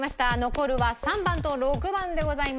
残るは３番と６番でございます。